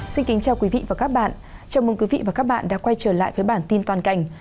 xin kính chào quý vị và các bạn chào mừng quý vị và các bạn đã quay trở lại với bản tin toàn cảnh